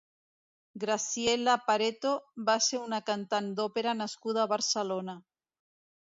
Graziella Pareto va ser una cantant d'òpera nascuda a Barcelona.